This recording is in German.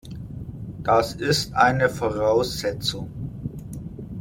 Das ist eine Voraussetzung.